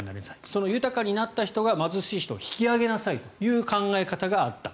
その豊かになった人が貧しい人を引き上げなさいという考え方があった。